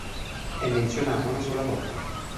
È menzionata una sola volta.